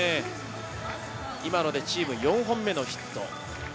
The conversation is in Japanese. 今のでチーム４本目のヒット。